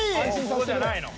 ここじゃないの？